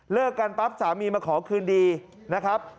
กันปั๊บสามีมาขอคืนดีนะครับ